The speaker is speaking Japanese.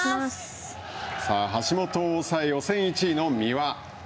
さあ、橋本を抑え、予選１位の三輪。